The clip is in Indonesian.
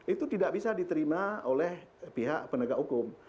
itu tidak bisa diterima oleh pihak penegak hukum